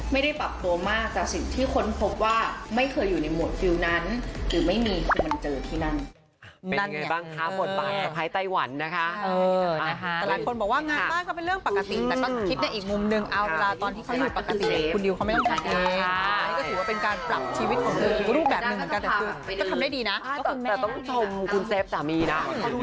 ไม่ได้ปรับตัวมากจากสิ่งที่ค้นพบว่าไม่เคยอยู่ในหมวดฟิลนั้นหรือไม่มีคือมันเจอที่นั่น